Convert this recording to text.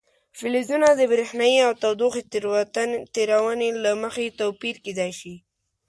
فلزونه د برېښنايي او تودوخې تیرونې له مخې توپیر کیدای شي.